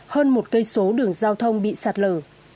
hơn một cây số đường giao thông bị sạt lở